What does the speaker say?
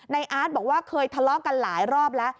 อาร์ตบอกว่าเคยทะเลาะกันหลายรอบแล้ว